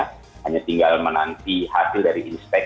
hanya tinggal menanti hasil dari inspek